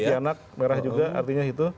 iya potianak merah juga artinya itu